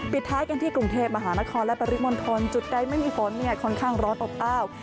ท้ายกันที่กรุงเทพมหานครและปริมณฑลจุดใดไม่มีฝนเนี่ยค่อนข้างร้อนอบอ้าว